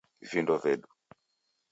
Vindo vedu